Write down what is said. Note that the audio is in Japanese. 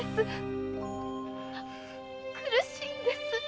〔苦しいんです。